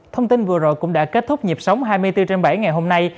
thông tin vừa rồi cũng đã kết thúc nhịp sống hai mươi bốn trên bảy ngày hôm nay